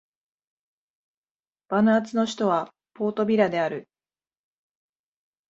バヌアツの首都はポートビラである